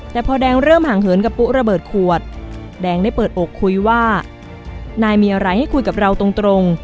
แต่พอแดงเริ่มห่างเหินกับปุ๊ระเบิดขวดแดงได้เปิดอกคุยว่านายมีอะไรให้คุยกับเราตรง